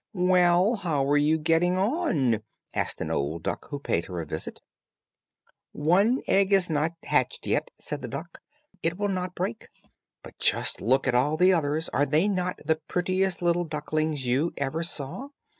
"Well, how are you getting on?" asked an old duck, who paid her a visit. "One egg is not hatched yet," said the duck, "it will not break. But just look at all the others, are they not the prettiest little ducklings you ever saw?